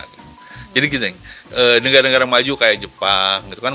jadi gini negara negara maju kayak jepang gitu kan